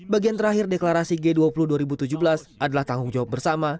bagian terakhir deklarasi g dua puluh dua ribu tujuh belas adalah tanggung jawab bersama